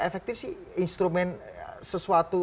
efektif sih instrumen sesuatu